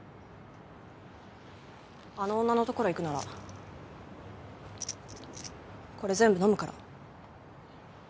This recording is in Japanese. あの女のところへ行くならこれ全部飲むから。